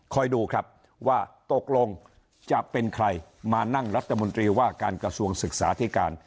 ดูครับว่าตกลงจะเป็นใครมานั่งรัฐมนตรีว่าการกระทรวงศึกษาธิการ